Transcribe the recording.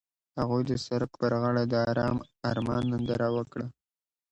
هغوی د سړک پر غاړه د آرام آرمان ننداره وکړه.